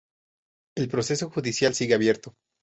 El proceso judicial sigue abierto.